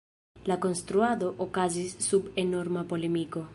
La konstruado okazis sub enorma polemiko.